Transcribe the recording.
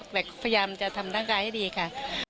แต่พยายามจะทำร่างกายให้ดีค่ะ